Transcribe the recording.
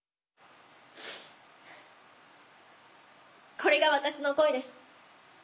これが私の声です。